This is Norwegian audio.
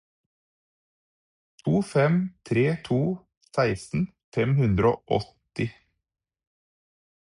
to fem tre to seksten fem hundre og åtti